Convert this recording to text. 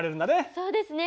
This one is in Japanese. そうですね。